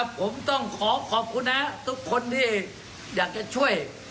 ผมต้องขอขอบคุณนะทุกคนที่อยากจะช่วย